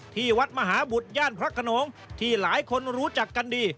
ที่วัดมหาบุตรย่านพระขนงที่หลายคนรู้จักกันดี